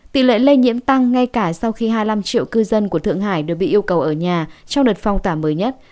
tỷ lệ lây nhiễm tăng ngay cả sau khi hai mươi năm triệu cư dân của thượng hải đều bị yêu cầu ở nhà trong đợt phong tỏa mới nhất